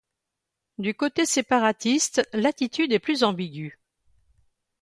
Du côté séparatiste, l'attitude est plus ambiguë.